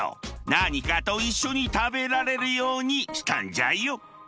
何かと一緒に食べられるようにしたんじゃよ。